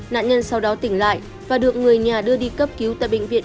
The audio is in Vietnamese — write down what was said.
nạn nhân sau đó tỉnh lại và được người nhà đưa đi cấp cứu tại bệnh viện